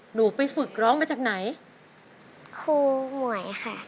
หนูไปฝึกร้องมาจากไหนครูหมวยค่ะ